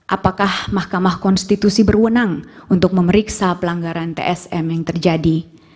apakah mahkamah konstitusi berwenang untuk memeriksa pelanggaran tsm yang terjadi